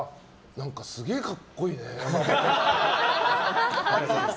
何かすげえ格好いいね。